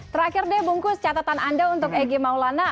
terakhir deh bungkus catatan anda untuk egy maulana